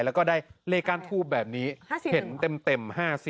แล้วก็ได้เลขก้านทูบแบบนี้เห็นเต็ม๕๐